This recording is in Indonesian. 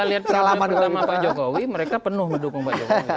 kita lihat perangai perangai bapak jokowi mereka penuh mendukung bapak jokowi